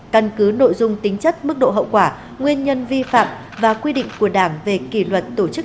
căn cứ nội dung tính chất mức độ hậu quả nguyên nhân vi phạm và quy định của đảng về kỷ luật tổ chức